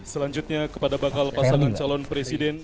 selanjutnya kepada bakal pasangan calon presiden